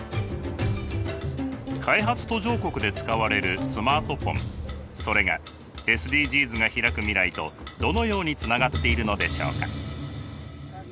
開発途上国で使われるスマートフォンそれがＳＤＧｓがひらく未来とどのようにつながっているのでしょうか。